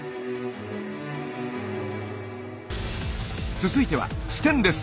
続いてはステンレス。